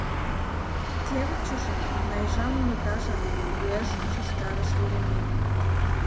— Кевытчыже Найжан уныкажак, — уэш шижтарыш Еремей.